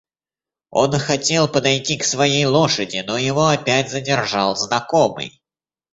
Он хотел подойти к своей лошади, но его опять задержал знакомый.